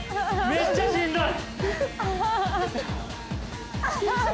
めっちゃしんどい。